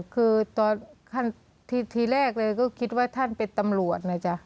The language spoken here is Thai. คือตอนทีแรกเลยก็คิดว่าท่านเป็นตำรวจนะจ๊ะ